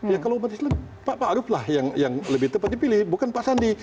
ya kalau umat islam pak arief lah yang lebih tepat dipilih bukan pak sandi